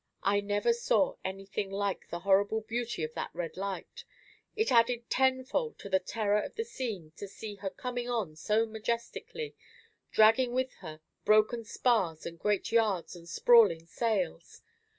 I never saw anything like the horrible beauty of that red light. It added tenfold to the terror of the scene to see her coming on so majestically, dragging with her broken spars and great yards and sprawling sails.